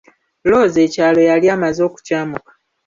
Loozi ekyalo yali amaze okukyamuka.